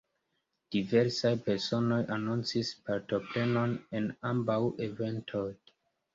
Diversaj personoj anoncis partoprenon en ambaŭ eventoj.